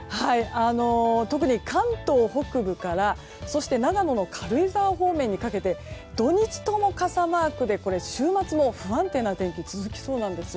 特に関東北部から長野の軽井沢方面にかけて土日とも傘マークでこれ週末も不安定な天気続きそうなんです。